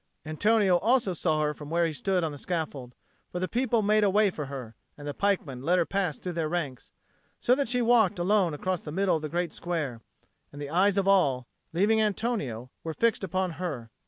Antonio also saw her from where he stood on the scaffold, for the people made a way for her, and the pikemen let her pass through their ranks; so that she walked alone across the middle of the great square; and the eyes of all, leaving Antonio, were fixed upon her.